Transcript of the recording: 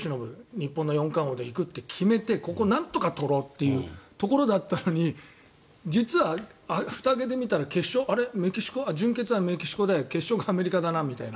日本の４冠王で行くって決めてここ、なんとか取ろうというところだったのに実は、ふたを開けてみたら準決はメキシコで決勝はアメリカだなと。